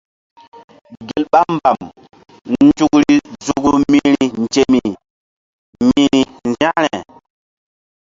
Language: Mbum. Gel ɓa mbam nzukri nzukru mi̧hri nzemi mi̧hri nzȩkre.